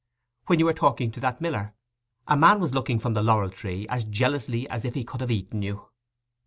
'When you were talking to that miller. A man was looking from the laurel tree as jealously as if he could have eaten you.